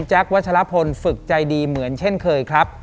วัชลพลฝึกใจดีเหมือนเช่นเคยครับ